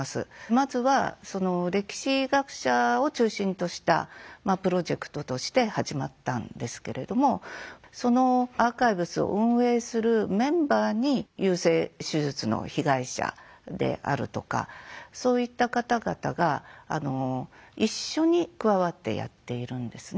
まずは歴史学者を中心としたプロジェクトとして始まったんですけれどもそのアーカイブスを運営するメンバーに優生手術の被害者であるとかそういった方々が一緒に加わってやっているんですね。